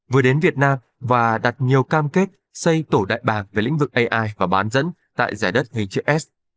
vừa đến việt nam và đặt nhiều cam kết xây tổ đại bạc về lĩnh vực ai và bán dẫn tại giải đất hình chữ s